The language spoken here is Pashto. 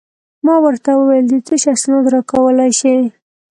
ما ورته وویل: د څه شي اسناد راکولای شې؟